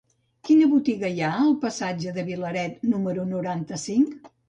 Quina botiga hi ha al passatge de Vilaret número noranta-cinc?